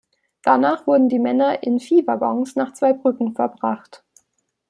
Danach wurden die Männer in Viehwaggons nach Zweibrücken verbracht.